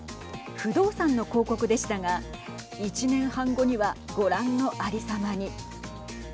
不動産の広告でしたが１年半後にはご覧のありさまに。